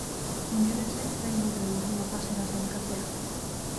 Ingelesek zail dute hurrengo fasera sailkatzea.